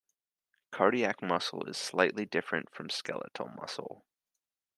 Cardiac muscle is slightly different from skeletal muscle.